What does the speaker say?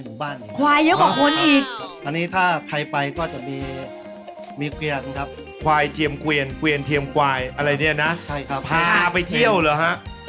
มะพร้าวน้ำหอมดำเนินสะดวกภาษาอีสานว่าไงครับ